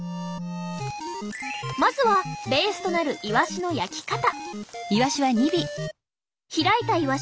まずはベースとなるイワシの焼き方。